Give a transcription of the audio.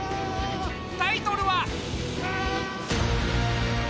タイトルは。